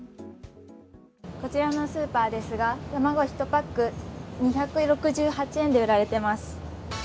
こちらのスーパーですが卵１パック２６８円で売られています。